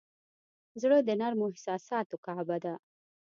زړه د نرمو احساساتو کعبه ده.